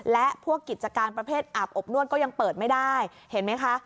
และพวกกิจการประเภทอาบอบนวดก็ยังเปิดไม่ได้เห็นไหมคะ